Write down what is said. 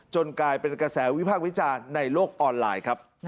กลายเป็นกระแสวิพากษ์วิจารณ์ในโลกออนไลน์ครับ